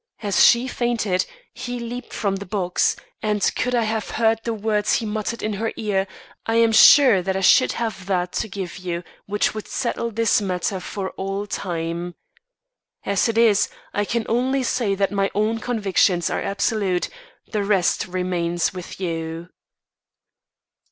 As she fainted, he leaped from the box; and, could I have heard the words he muttered in her ear, I am sure that I should have that to give you which would settle this matter for all time. As it is, I can only say that my own convictions are absolute; the rest remains with you."